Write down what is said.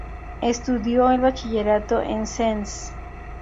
Estudió el bachillerato en Sens.